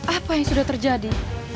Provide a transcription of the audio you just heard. apa yang sudah terjadi